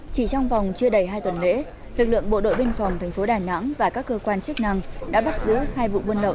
chỉ trong vòng chưa đầy hai tuần lễ lực lượng bộ đội biên phòng tp đà nẵng và các cơ quan chức năng đã bắt giữ hai vụ buôn lậu